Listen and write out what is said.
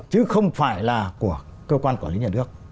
chứ không phải là của cơ quan quản lý nhà nước